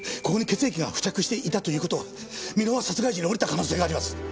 ここに血液が付着していたという事は箕輪殺害時に折れた可能性があります。